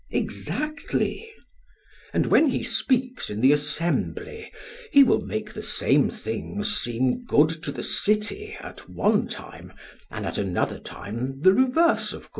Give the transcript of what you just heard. PHAEDRUS: Exactly. SOCRATES: And when he speaks in the assembly, he will make the same things seem good to the city at one time, and at another time the reverse of good?